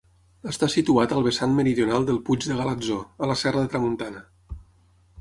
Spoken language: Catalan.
Està situat al vessant meridional del Puig de Galatzó, a la Serra de Tramuntana.